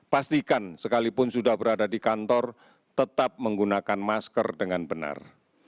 pastikan sekalipun sudah berada di kantor tetap menggunakan masker dengan benar